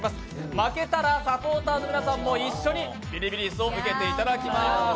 負けたらサポーターの皆さんも一緒にビリビリ椅子を受け鄭ｋただ来ます。